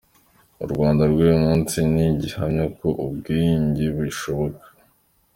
U Rwanda rw’uyu munsi ni gihamya ko ubwiyunge bushoboka.